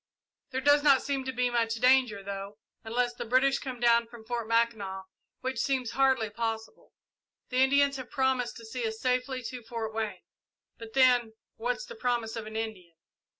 There does not seem to be much danger, though, unless the British come down from Fort Mackinac, which seems hardly possible. The Indians have promised to see us safely to Fort Wayne, but then what's the promise of an Indian?"